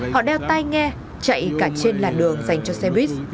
họ đeo tay nghe chạy cả trên làn đường dành cho xe buýt